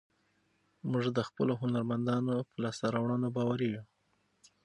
موږ د خپلو هنرمندانو په لاسته راوړنو باوري یو.